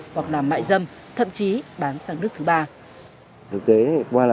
hoặc làm mại dâm thậm chí bán sang nước thứ ba